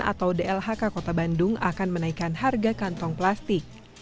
atau dlhk kota bandung akan menaikkan harga kantong plastik